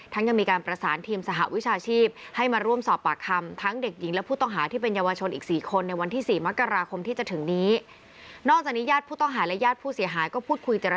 ทั้งยังมีการประสานทีมสหวิชาชีพ